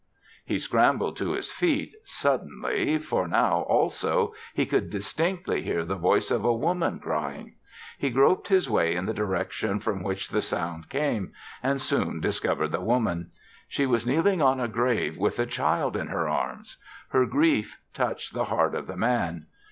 He scrambled to his feet, suddenly, for now, also, he could distinctly hear the voice of a woman crying. He groped his way in the direction from which the sound came and soon discovered the woman. She was kneeling on a grave with a child in her arms. Her grief touched the heart of the man.